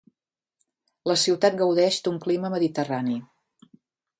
La ciutat gaudeix d'un clima mediterrani.